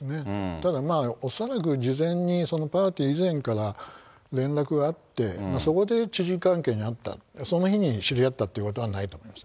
ただ、恐らく事前に、パーティー以前から連絡があって、そこで知人関係にあった、その日に知り合ったということはないと思います。